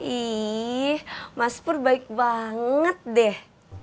ih mas pur baik banget deh